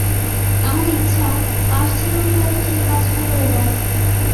আমার ইচ্ছা, আসছে রবিবারেই সে কাজটা হয়ে যায়।